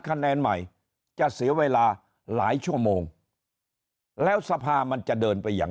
คะแนนใหม่จะเสียเวลาหลายชั่วโมงแล้วสภามันจะเดินไปอย่าง